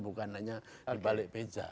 bukan hanya balik peja